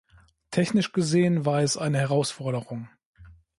Technisch gesehen war es eine Herausforderung.